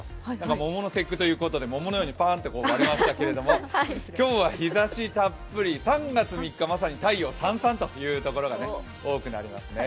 桃の節句ということで桃のようにパーンと割れましたけど今日は日ざしたっぷり、３月３日、まさに太陽サンサンというところが多くなりますね。